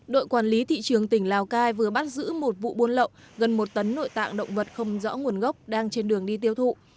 đội quản lý thị trường tỉnh lào cai vừa bắt giữ một vụ buôn lậu gần một tấn nội tạng động vật không rõ nguồn gốc đang trên đường đi tiêu thụ